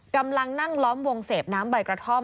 กำลังนั่งล้อมวงเสพน้ำใบกระท่อม